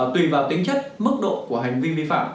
tùy vào tính chất mức độ của hành vi vi phạm